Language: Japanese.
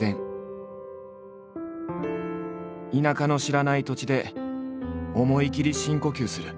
田舎の知らない土地で思いきり深呼吸する。